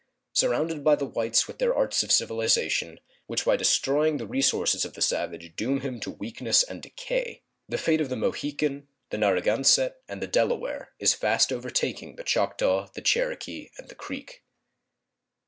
Surrounded by the whites with their arts of civilization, which by destroying the resources of the savage doom him to weakness and decay, the fate of the Mohegan, the Narragansett, and the Delaware is fast over taking the Choctaw, the Cherokee, and the Creek.